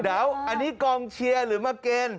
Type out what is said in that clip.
เดี๋ยวอันนี้กองเชียร์หรือมาเกณฑ์